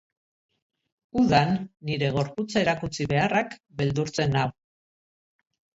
Udan, nire gorputza erakutsi beharrak beldurtzen nau.